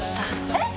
えっ！！